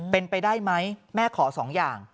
เป็นไปได้ไหมแม่ขอสองอย่าง